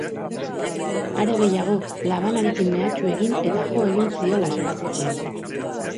Are gehiago, labanarekin mehatxu egin eta jo egin ziola salatu zuen.